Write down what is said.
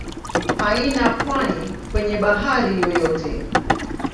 Haina pwani kwenye bahari yoyote.